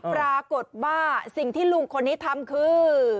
ปรากฏว่าสิ่งที่ลุงคนนี้ทำคือ